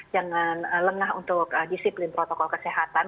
jangan lengah untuk disiplin protokol kesehatan